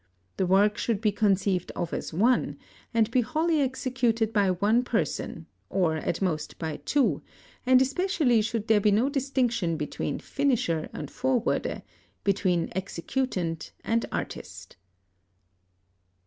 The work should be conceived of as one, and be wholly executed by one person, or at most by two, and especially should there be no distinction between "finisher" and "forwarder," between "executant" and "artist."